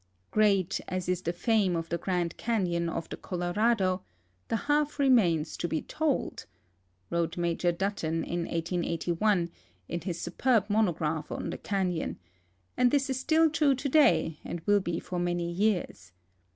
" Great as is the fame of the Grand Canon of the Colorado, tiie half remains to be told," wrote Major Dutton in 1S81, in his su perb monograph on the canon ; and this is still true today, and will be for many years.